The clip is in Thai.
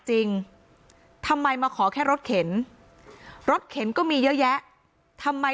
จริงทำไมมาขอแค่รถเข็นรถเข็นก็มีเยอะแยะทำไม